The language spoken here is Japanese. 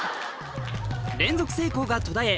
連続成功が途絶え